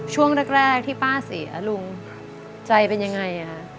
ช่วงแรกที่ป้าเสียลุงใจเป็นยังไง